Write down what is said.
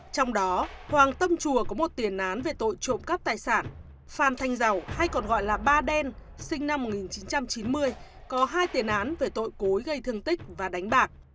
trong đó hoàng tâm chùa có một tiền án về tội trộm cắp tài sản phan thanh giàu hay còn gọi là ba đen sinh năm một nghìn chín trăm chín mươi có hai tiền án về tội cối gây thương tích và đánh bạc